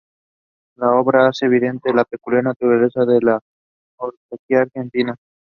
He is also an active proponent and practitioner of digital humanities in the Philippines.